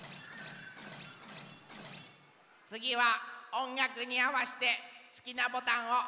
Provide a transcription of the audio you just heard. つぎはおんがくにあわしてすきなボタンをおしてね。